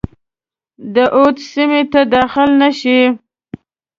د اود سیمي ته داخل نه شي.